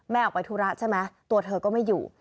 ออกไปธุระใช่ไหมตัวเธอก็ไม่อยู่